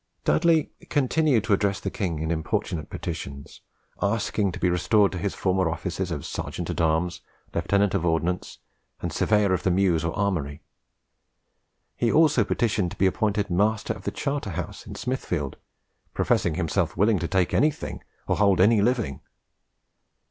Dudley continued to address the king in importunate petitions, asking to be restored to his former offices of Serjeant at arms, Lieutenant of Ordnance, and Surveyor of the Mews or Armoury. He also petitioned to be appointed Master of the Charter House in Smithfield, professing himself willing to take anything, or hold any living.